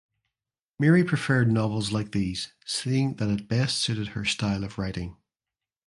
Mary preferred novels like these seeing that it best suited her style of writing.